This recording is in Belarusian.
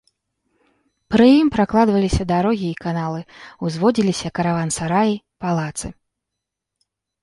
Пры ім пракладваліся дарогі і каналы, узводзіліся караван-сараі, палацы.